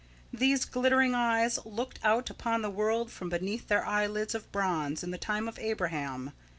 These glittering eyes looked out upon the world from beneath their eyelids of bronze, in the time of Abraham.